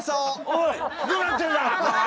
おいどうなってんだこれは！